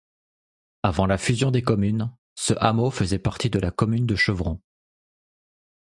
Avant la fusion des communes, ce hameau faisait partie de la commune de Chevron.